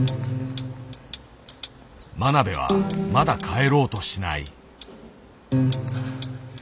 真鍋はまだ帰ろうとしない。